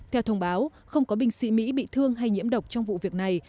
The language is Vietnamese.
theo thông báo không có binh sĩ mỹ bị thương hay nhiễm độc trong vụ việc này